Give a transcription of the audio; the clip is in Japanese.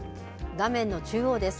画面の中央です。